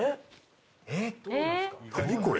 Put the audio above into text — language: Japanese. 何これ？